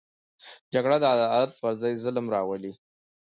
جګړه د عدالت پر ځای ظلم راولي